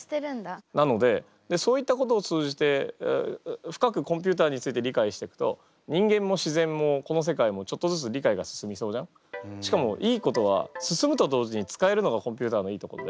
なのでそういったことを通じて深くコンピューターについて理解していくとしかもいいことは進むと同時に使えるのがコンピューターのいいところで。